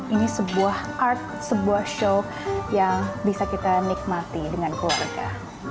ini sebuah art sebuah show yang bisa kita nikmati dengan keluarga